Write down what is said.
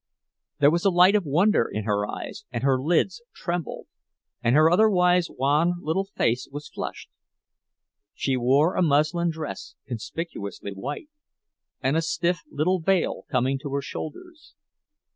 There was a light of wonder in her eyes and her lids trembled, and her otherwise wan little face was flushed. She wore a muslin dress, conspicuously white, and a stiff little veil coming to her shoulders.